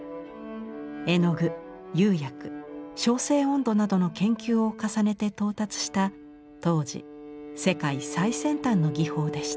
絵の具釉薬焼成温度などの研究を重ねて到達した当時世界最先端の技法でした。